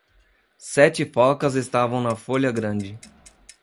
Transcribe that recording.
Sete focas estavam na folha grande.